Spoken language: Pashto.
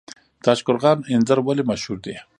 تاشقرغان انځر ولې مشهور دي؟